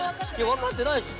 分かってないでしょ